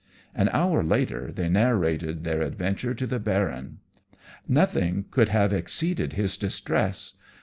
An hour later they narrated their adventure to the Baron. Nothing could have exceeded his distress.